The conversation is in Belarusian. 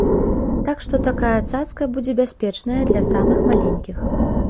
Так што такая цацка будзе бяспечная для самых маленькіх.